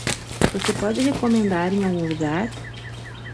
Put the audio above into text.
Você pode recomendar em algum lugar?